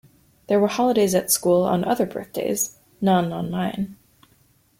There were holidays at school on other birthdays — none on mine.